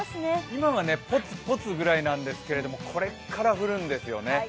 今はポツポツぐらいなんですけど、これから降るんですよね。